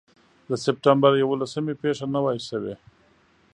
د سپټمبر د یوولسمې پېښه نه وای شوې.